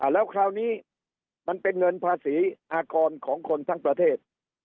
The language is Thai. แล้วคราวนี้มันเป็นเงินภาษีอากรของคนทั้งประเทศ